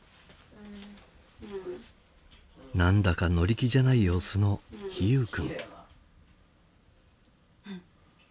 何だか乗り気じゃない様子の陽友君。